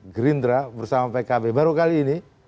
gerindra bersama pkb baru kali ini